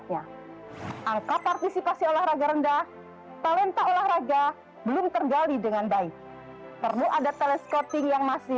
yang harus juga diapresiasi